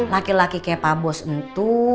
laki laki kayak pak bos itu